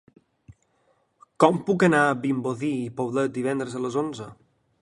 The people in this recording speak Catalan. Com puc anar a Vimbodí i Poblet divendres a les onze?